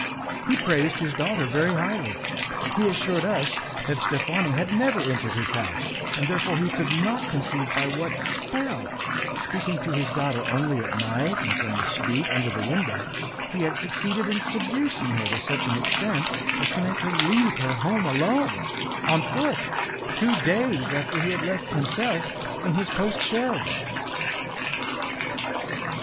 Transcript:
He praised his daughter very highly. He assured us that Steffani had never entered his house, and therefore he could not conceive by what spell, speaking to his daughter only at night and from the street under the window, he had succeeded in seducing her to such an extent as to make her leave her home alone, on foot, two days after he had left himself in his post chaise.